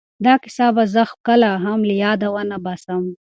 دا کیسه به زه کله هم له یاده ونه باسم.